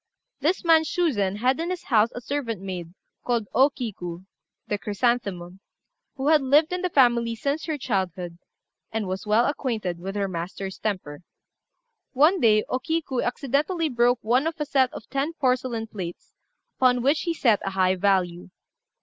This man Shuzen had in his house a servant maid, called O Kiku (the Chrysanthemum), who had lived in the family since her childhood, and was well acquainted with her master's temper. One day O Kiku accidentally broke one of a set of ten porcelain plates, upon which he set a high value.